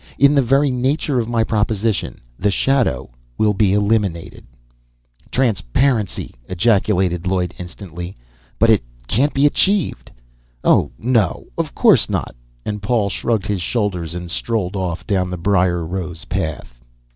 In the very nature of my proposition the shadow will be eliminated—" "Transparency!" ejaculated Lloyd, instantly. "But it can't be achieved." "Oh, no; of course not." And Paul shrugged his shoulders and strolled off down the briar rose path.